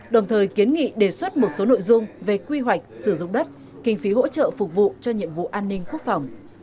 đồng thời kiến nghị đề xuất một số nội dung về quy hoạch sử dụng đất kinh phí hỗ trợ phục vụ cho nhiệm vụ an ninh quốc phòng